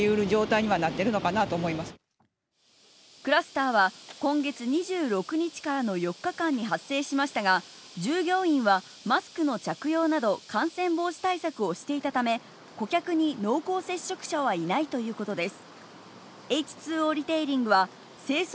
クラスターは今月２６日からの４日間に発生しましたが、従業員はマスクの着用など感染防止対策をしていたため、顧客に濃厚接触者はいないということです。